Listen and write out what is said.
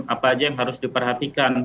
apa aja yang harus diperhatikan